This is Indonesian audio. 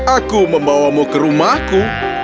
aku membawamu ke rumahku